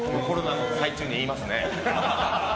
コロナの最中に言いますね。